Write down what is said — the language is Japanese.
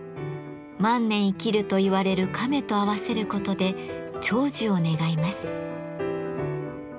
万年生きるといわれる亀と合わせることで長寿を願います。